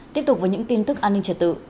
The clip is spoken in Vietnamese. tiếp tục với những tin tức an ninh trật tự